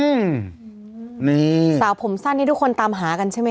อืมนี่สาวผมสั้นที่ทุกคนตามหากันใช่ไหม